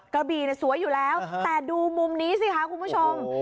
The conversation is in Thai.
กระบี่สวยอยู่แล้วแต่ดูมุมนี้สิคะคุณผู้ชม